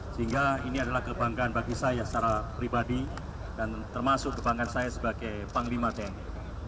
sehingga ini adalah kebanggaan bagi saya secara pribadi dan termasuk kebanggaan saya sebagai panglima tni